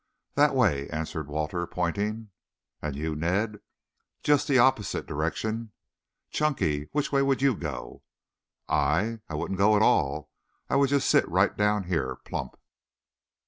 "That way," answered Walter, pointing. "And you, Ned?" "Just the opposite direction." "Chunky, which way would you go?" "I? I wouldn't go at all. I would just sit right down here, plump."